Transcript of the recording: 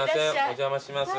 お邪魔します。